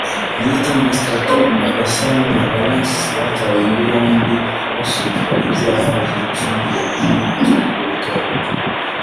Niyitanga Straton na Gasana Valens batawe muri yombi bashinjwa ibyaha by’imicungire mibi y’umutungo w’itorero